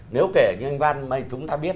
nếu kể như anh văn chúng ta biết